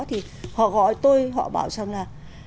họ gọi tôi họ bảo rằng là